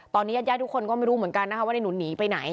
ตอนนี้ญาติญาติทุกคนก็ไม่รู้เหมือนกันนะคะว่าในหนุนหนีไปไหน